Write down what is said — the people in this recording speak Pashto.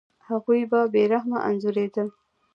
هغوی به بې رحمه انځورېدل.